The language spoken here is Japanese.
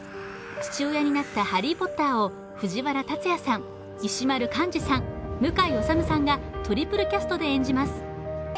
父親になったハリー・ポッターを藤原竜也さん、石丸幹二さん、向井理さんがトリプルキャストで演じます。